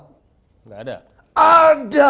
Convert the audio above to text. gak ada ada